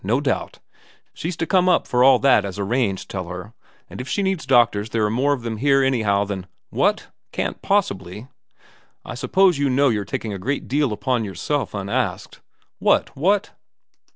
No doubt. She's to come up for all that as arranged, tell her, and if she needs doctors there are more of them here anyhow than what ? Can't possibly ?'' I suppose you know you're taking a great deal upon yourself unasked ' 'What? What?'